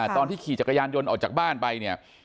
ขี่จักรยานยนต์ออกจากบ้านไปเนี่ย